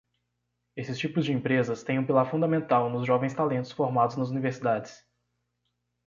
Esses tipos de empresas têm um pilar fundamental nos jovens talentos formados nas universidades.